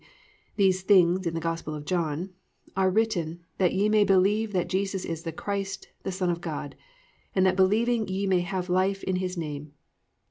these things in the Gospel of John) +are written, that ye may believe that Jesus is the Christ the Son of God; and that believing ye may have life in his name."